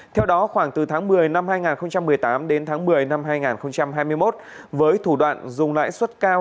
theo đó khoảng từ tháng một mươi năm hai nghìn một mươi tám đến tháng một mươi năm hai nghìn hai mươi một với thủ đoạn dùng lãi suất cao